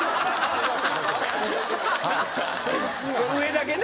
上だけね。